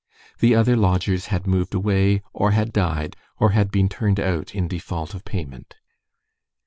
The other lodgers had moved away or had died, or had been turned out in default of payment.